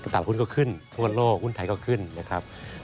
ตลาดหุ้นก็ขึ้นฟุตบอลโลกหุ้นไทยก็ขึ้นนะครับ